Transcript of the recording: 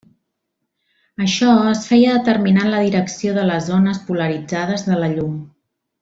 Això es feia determinant la direcció de les ones polaritzades de la llum.